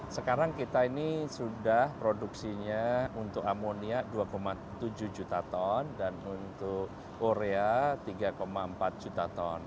sekarang kita ini sudah produksinya untuk amonia dua tujuh juta ton dan untuk korea tiga empat juta ton